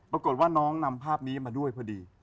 ปรากฏว่าน้องนำภาพนี้มาด้วยพอดี